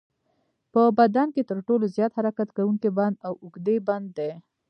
په بدن کې تر ټولو زیات حرکت کوونکی بند د اوږې بند دی.